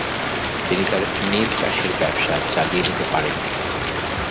তিনি তার নীলচাষের ব্যবসা চালিয়ে নিতে পারেননি।